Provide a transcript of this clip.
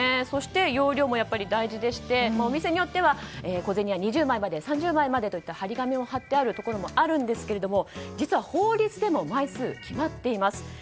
そして容量も大事でしてお店によっては小銭は２０枚まで３０枚までといった貼り紙を貼ってあるところもあるんですけども、実は法律でも枚数が決まっています。